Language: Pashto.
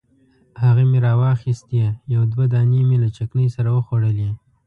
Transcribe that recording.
هغه مې راواخیستې یو دوه دانې مې له چکني سره وخوړلې.